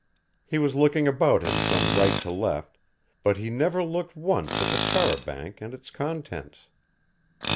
He was looking about him from right to left, but he never looked once at the char a banc and its contents.